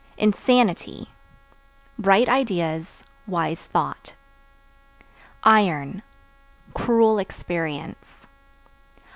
Insanity Bright ideas, wise thought. Iron Cruel experience.